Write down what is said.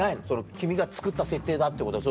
君が作った設定だってことは。